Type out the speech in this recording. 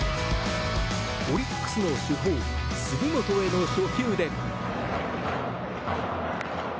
オリックスの主砲杉本への初球で。